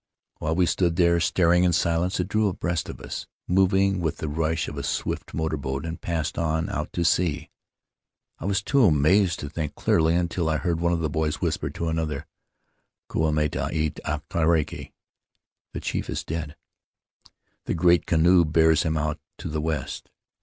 While we stood there, staring in silence, it drew abreast of us, moving with the rush of a swift motor boat, and passed on — out to sea. I was too amazed to think clearly until I heard one of the boys whisper to another, 'Kua mate te arihi — the chief is dead; the great canoe bears him out to the west.'